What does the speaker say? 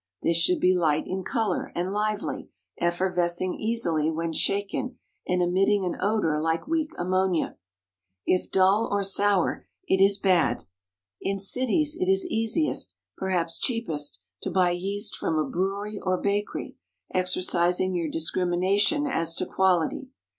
This should be light in color and lively, effervescing easily when shaken, and emitting an odor like weak ammonia. If dull or sour, it is bad. In cities it is easiest, perhaps cheapest, to buy yeast from a brewery or bakery, exercising your discrimination as to quality.